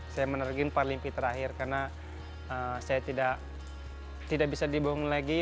saya menergiin parlimpi terakhir karena saya tidak bisa dibohong lagi